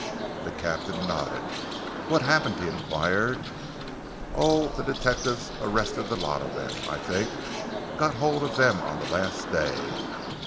The captain nodded. "What happened?" he enquired. "Oh, the detectives arrested the lot of them, I think, got hold of them on the last day."